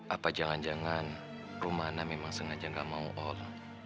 apa jangan jangan rumana memang sengaja nggak mau ol